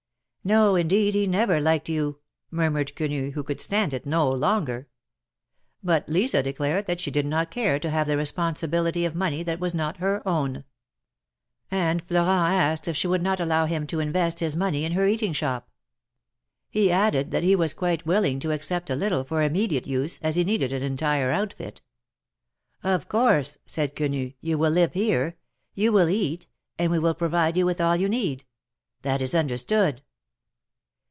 "No, indeed, he never liked you !" murmured Quenu, who could stand it no longer. But Lisa declared that she did not care to have the responsibility of money that was not her own. And Florent asked if she would not allow him to invest his money in her eating shop. He added that he was quite willing to accept a little for immediate use, as he needed an entire outfit. "Of course," said Quenu, "you will live here; you will cat, and we will provide you with all you need. That is understood."